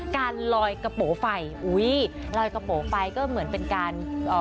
การลอยกระโป๋ไฟกระโป๋ไฟเหมือนการ